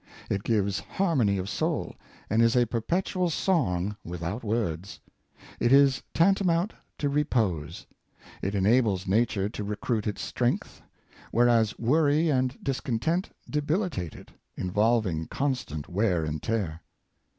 It gives harmony of soul, and is a perpetual song without words. It is tantamount to repose. It enables nature to recruit its strength; whereas worry and discontent debilitate it, involving constant wear and tear.